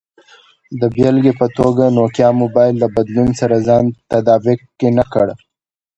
د بېلګې په توګه، نوکیا موبایل له بدلون سره ځان تطابق کې نه کړ.